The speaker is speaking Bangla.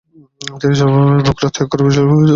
তিনি জন্মভূমি বুখারা ত্যাগ করে নিশাপুরে চলে যান।